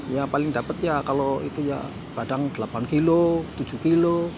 ya paling dapat ya kalau itu ya kadang delapan kilo tujuh kilo